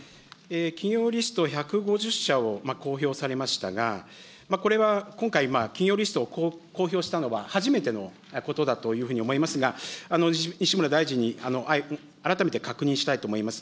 企業リスト１５０社を公表されましたが、これは今回、企業リストを公表したのは、初めてのことだというふうに思いますが、西村大臣に改めて確認したいと思います。